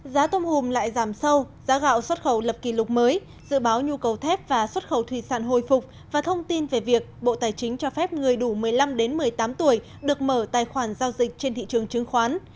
giá tôm hùm lại giảm sâu giá gạo xuất khẩu lập kỷ lục mới dự báo nhu cầu thép và xuất khẩu thủy sản hồi phục và thông tin về việc bộ tài chính cho phép người đủ một mươi năm một mươi tám tuổi được mở tài khoản giao dịch trên thị trường chứng khoán